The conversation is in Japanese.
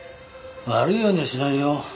悪いようにはしないよ。